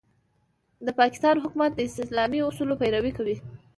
د پاکستان حکومت د اسلامي اصولو پيروي کوي.